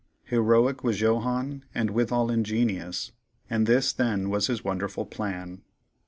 Heroic was Johannes, and withal ingenious, and this then was his wonderful plan.